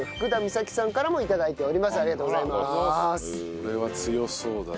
これは強そうだな。